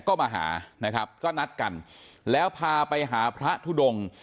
ก็มาหานะครับก็นัดกันแล้วพาไปหาพระทุดง